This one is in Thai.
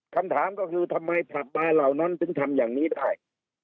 คำถามก็คือทำไมผับบาร์เหล่านั้นถึงทำอย่างนี้ได้